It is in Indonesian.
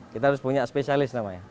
kita harus punya spesialis namanya